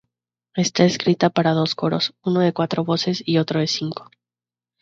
Está escrita para dos coros, uno de cuatro voces y otro de cinco.